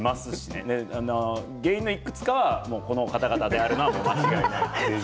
その原因のいくつかはこの方々であるのは間違いない。